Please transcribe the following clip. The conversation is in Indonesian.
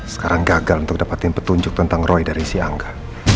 sekarang gagal untuk dapetin petunjuk tentang roy dari si angga